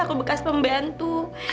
aku bekas pembantu